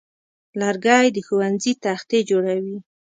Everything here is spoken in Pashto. لرګی د ښوونځي تختې جوړوي.